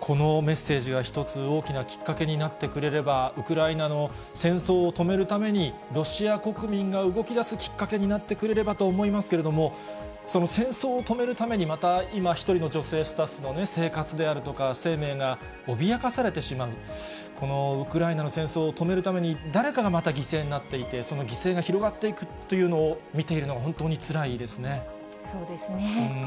このメッセージが一つ大きなきっかけになってくれれば、ウクライナの戦争を止めるために、ロシア国民が動きだすきっかけになってくれればと思いますけれども、その戦争を止めるために、また今一人の女性スタッフの生活であるとか、生命が脅かされてしまう、このウクライナの戦争を止めるために、誰かがまた犠牲になっていて、その犠牲が広がっていくというのを見ているのが本当につらいですそうですね。